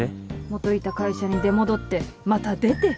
元いた会社に出戻ってまた出て。